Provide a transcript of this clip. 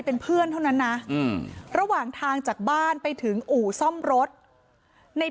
เป็นเพื่อนเท่านั้นนะระหว่างทางจากบ้านไปถึงอู่ซ่อมรถใน